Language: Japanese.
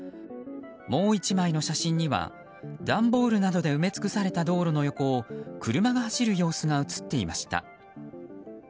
もう１枚の写真には段ボールなどで埋め尽くされた道路の横を車が走る様子が映っていました。